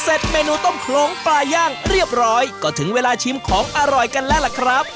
เมนูต้มโครงปลาย่างเรียบร้อยก็ถึงเวลาชิมของอร่อยกันแล้วล่ะครับ